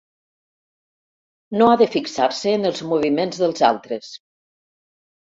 No ha de fixar-se en els moviments dels altres.